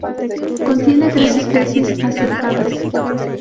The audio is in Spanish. Contiene tres especies aceptadas.